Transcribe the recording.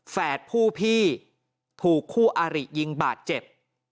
แฝดผู้พี่ถูกคู่อาริยิงบาดเจ็บ